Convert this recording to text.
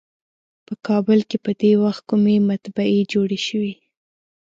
په کابل کې په دې وخت کومې مطبعې جوړې شوې.